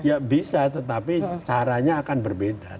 ya bisa tetapi caranya akan berbeda